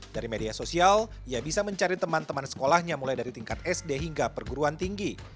dari media sosial ia bisa mencari teman teman sekolahnya mulai dari tingkat sd hingga perguruan tinggi